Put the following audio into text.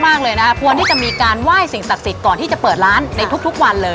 ป้าขายแล้วก็มีแม่น้ำกว่าอันนี้จะไหว้ทุกวัน